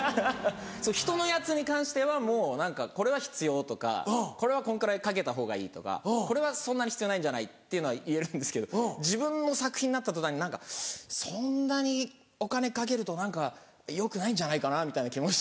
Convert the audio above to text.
そうひとのやつに関してはもう何かこれは必要とかこれはこんくらいかけたほうがいいとかこれはそんなに必要ないんじゃない？っていうのは言えるんですけど自分の作品になった途端に何かそんなにお金かけると何かよくないんじゃないかなみたいな気持ちとか。